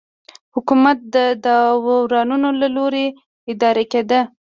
حکومت د داورانو له لوري اداره کېده.